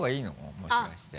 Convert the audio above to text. もしかして。